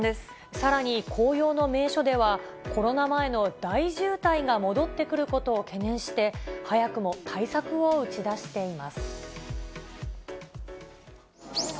さらに紅葉の名所では、コロナ前の大渋滞が戻ってくることを懸念して、早くも対策を打ち出しています。